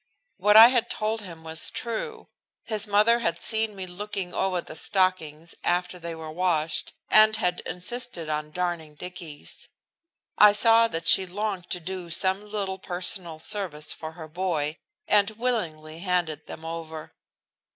What I had told him was true. His mother had seen me looking over the stockings after they were washed, and had insisted on darning Dicky's. I saw that she longed to do some little personal service for her boy, and willingly handed them over.